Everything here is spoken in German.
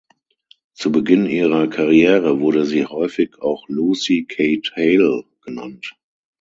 Zu Beginn ihrer Karriere wurde sie häufig auch Lucy Kate Hale genannt.